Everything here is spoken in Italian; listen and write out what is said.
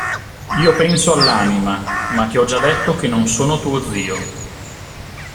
Io penso all'anima, ma ti ho già detto che non sono tuo zio.